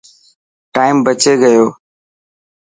ٽائم بچي گيو.